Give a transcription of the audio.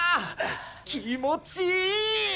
気持ちいい！